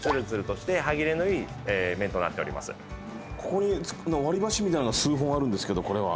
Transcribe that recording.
ここに割り箸みたいのが数本あるんですけどこれは？